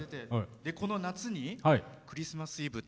この夏に「クリスマス・イブ」